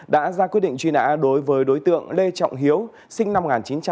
đã ra quyết định truy nã đối với đối tượng lê trọng hiếu sinh năm một nghìn chín trăm tám mươi